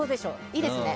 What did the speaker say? いいですね。